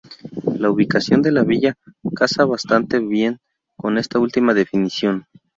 La ubicación de la villa casa bastante bien con esta última definición.